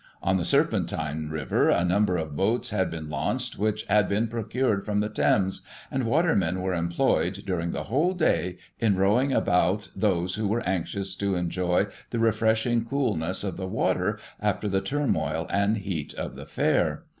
On the Serpentine river a number of boats had been launched, which had been procured from the Thames, and watermen were employed, during the whole day, in rowing about those who were anxious to enjoy Digiti ized by Google 1838] CORONATION FESTIVITIES. 57 the refreshing coolness of the water after the turmoil and heat of the fair.